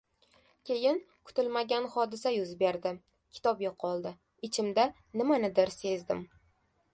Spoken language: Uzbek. Keyin kutilmagan hodisa yuz berdi: kitob yoʻqoldi. Ichimda nimanidir sezdim: